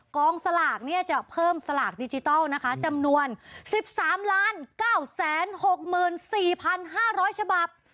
กองสลากเนี้ยจะเพิ่มสลากดิจิทัลนะคะจำนวนสิบสามล้านเก้าแสนหกหมื่นสี่พันห้าร้อยฉบับ